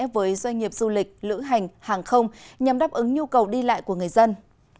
với doanh nghiệp du lịch lữ hành hàng không nhằm đáp ứng nhu cầu đi lại của người dân